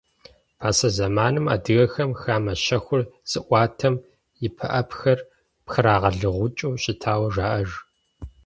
Пасэ зэманым адыгэхэм хамэ щэхур зыӀуатэм и пыӀэпхэр пхрагъэлыгъукӀыу щытауэ жаӀэж.